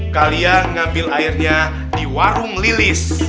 kalian ngambil airnya di warung lilis